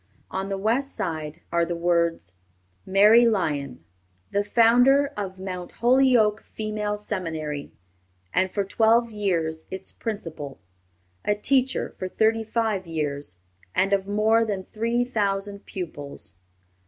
On the west side are the words: MARY LYON, THE FOUNDER OF MOUNT HOLYOKE FEMALE SEMINARY, AND FOR TWELVE YEARS ITS PRINCIPAL; A TEACHER FOR THIRTY FIVE YEARS, AND OF MORE THAN THREE THOUSAND PUPILS.